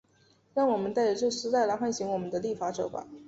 让我们戴着这丝带来唤醒我们的立法者吧。